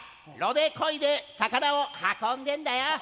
櫓で漕いで魚を運んでんだよ。